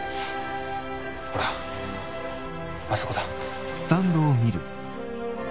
ほらあそこだ。